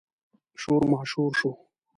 شور ماشور شو.